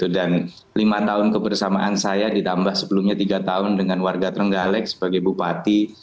dan lima tahun kebersamaan saya ditambah sebelumnya tiga tahun dengan warga trenggalek sebagai bupati